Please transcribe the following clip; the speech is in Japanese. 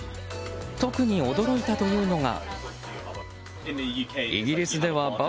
特に驚いたというのが。